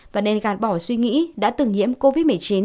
và nên gàn bỏ suy nghĩ đã từng nhiễm covid một mươi chín